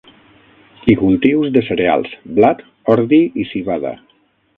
I cultius de cereals: blat, ordi i civada.